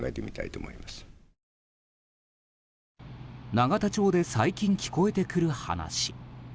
永田町で最近聞こえてくる話。